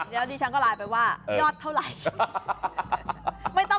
แล้วดิฉันก็ไลน์ไปว่ายอดเท่าไหร่